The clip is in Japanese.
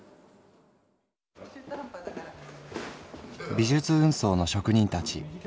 「美術運送の職人たち三名。